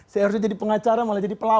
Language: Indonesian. saya harus jadi pengacara malah jadi pelakon